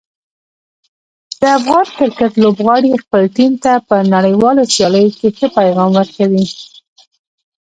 د افغان کرکټ لوبغاړي خپل ټیم ته په نړیوالو سیالیو کې ښه پیغام ورکوي.